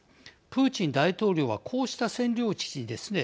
プーチン大統領はこうした占領地にですね